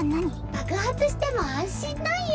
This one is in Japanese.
爆発しても安心なんよ。